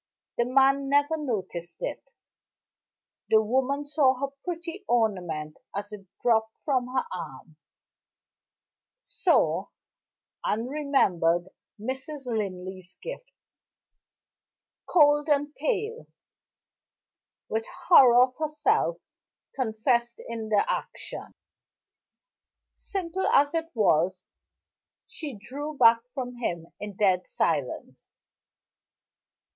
The man never noticed it. The woman saw her pretty ornament as it dropped from her arm saw, and remembered Mrs. Linley's gift. Cold and pale with horror of herself confessed in the action, simple as it was she drew back from him in dead silence.